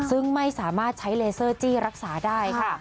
ซึ่งไม่สามารถใช้เลเซอร์จี้รักษาได้ค่ะ